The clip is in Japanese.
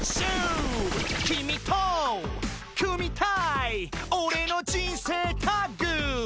「君と組みたいオレの人生タッグ」